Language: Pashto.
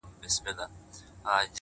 • زور د ستمګر مو پر سینه وجود وېشلی دی ,